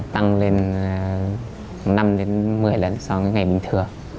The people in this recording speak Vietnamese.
tăng lên năm đến một mươi lần so với ngày bình thường